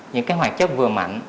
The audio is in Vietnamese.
những cái hoạt chất vừa mạnh